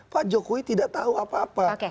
pak jokowi tidak tahu apa apa